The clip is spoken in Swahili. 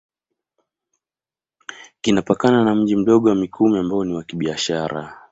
Kinapakana na Mji Mdogo wa Mikumi ambao ni wa kibiashara